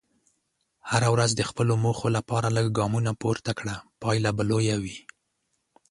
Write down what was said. هره ورځ د خپلو موخو لپاره لږ ګامونه پورته کړه، پایله به لویه وي.